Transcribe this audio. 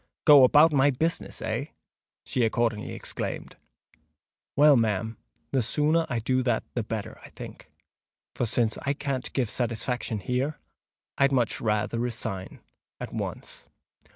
"Go about my business, eh!" she accordingly exclaimed. "Well, ma'am—the sooner I do that the better, I think: for since I can't give saytisfaction here, I'd much rayther resign at once."